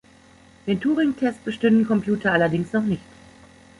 Den Turing-Test bestünden Computer allerdings noch nicht.